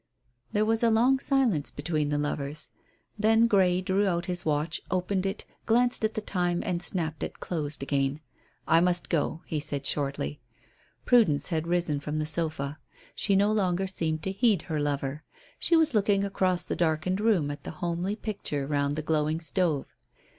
There was along silence between the lovers. Then Grey drew out his watch, opened it, glanced at the time, and snapped it closed again. "I must go," he said shortly. Prudence had risen from the sofa. She no longer seemed to heed her lover. She was looking across the darkened room at the homely picture round the glowing stove.